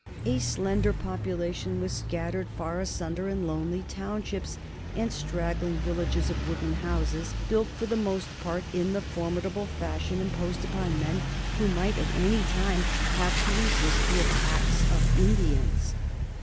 A slender population was scattered far asunder in lonely townships and straggling villages of wooden houses, built for the most part in the formidable fashion imposed upon men who might at any time have to resist the attacks of Indians.